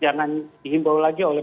jangan dihimbau lagi oleh